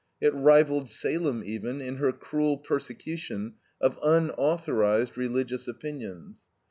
It rivaled Salem, even, in her cruel persecution of unauthorized religious opinions.